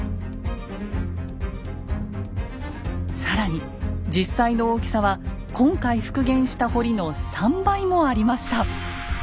更に実際の大きさは今回復元した堀の３倍もありました。